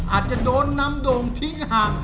อาจจะโดนนำโด่งทิ้งห่าง